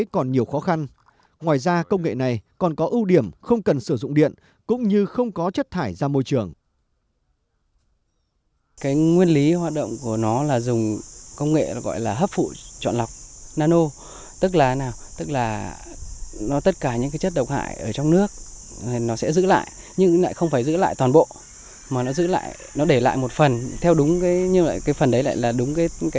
kinh tế còn nhiều khó khăn ngoài ra công nghệ này còn có ưu điểm không cần sử dụng điện cũng như không có chất thải ra môi trường